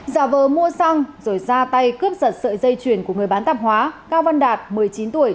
giả vờ mua xăng rồi ra tay cướp giật sợi dây chuyền của người bán tạp hóa cao văn đạt một mươi chín tuổi